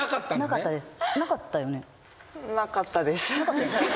なかったです。